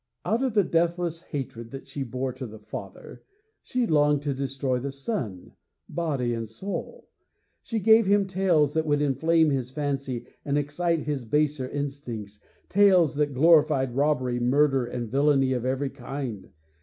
Out of the deathless hatred that she bore to the father, she longed to destroy the son, body and soul. She gave him tales that would inflame his fancy and excite his baser instincts, tales that glorified robbery, murder and villainy of every kind.